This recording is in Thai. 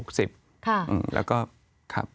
แล้วก็ครับ